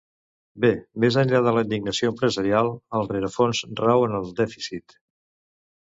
Bé, més enllà de la indignació empresarial, el rerefons rau en el dèficit.